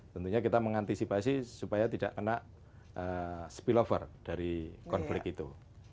tentunya kita mengantisipasi supaya tidak kena spillover dari konflik itu